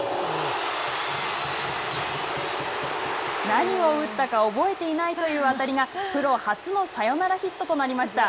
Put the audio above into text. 何を打ったか覚えていないという当たりがプロ初のサヨナラヒットとなりました。